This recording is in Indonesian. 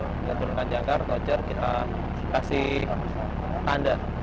kita turunkan jangkar kocer kita kasih tanda